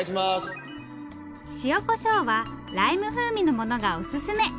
塩コショウはライム風味のものがおすすめ。